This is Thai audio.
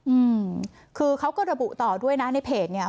อืมคือเขาก็ระบุต่อด้วยนะในเพจเนี่ย